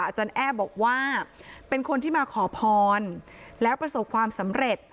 อาจารย์แอร์บอกว่าเป็นคนที่มาขอพรแล้วประสบความสำเร็จ